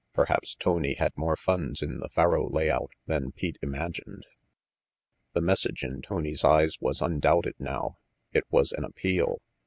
Perhaps Tony had more funds in the faro layout than Pete imagined. The message in Tony's eyes was undoubted now. It was an appeal.